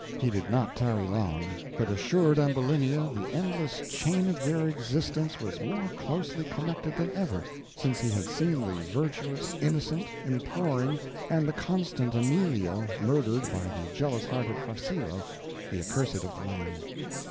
He did not tarry long, but assured Ambulinia the endless chain of their existence was more closely connected than ever, since he had seen the virtuous, innocent, imploring, and the constant Amelia murdered by the jealous hearted Farcillo, the accursed of the land.